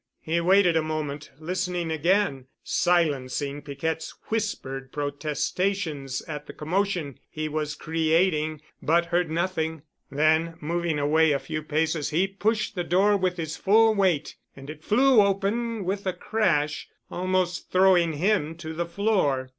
He waited a moment, listening again, silencing Piquette's whispered protestations at the commotion he was creating, but heard nothing. Then moving away a few paces he pushed the door with his full weight and it flew open with a crash, almost throwing him to the floor.